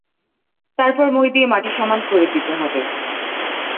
তারপর মই দিয়ে মাটি সমান করে দিতে হবে।